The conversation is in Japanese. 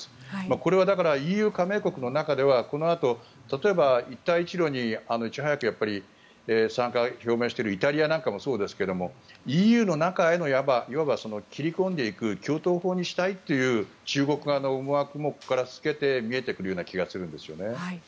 これはＥＵ加盟国の中ではこのあと、例えば一帯一路にいち早く参加を表明しているイタリアなんかもそうですがＥＵの中へのいわば切り込んでいく橋頭保にしたいという中国側の思惑もここから透けて見えてくるような気がするんですよね。